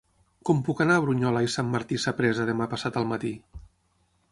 Com puc anar a Brunyola i Sant Martí Sapresa demà passat al matí?